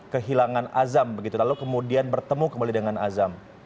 kehilangan azam begitu lalu kemudian bertemu kembali dengan azam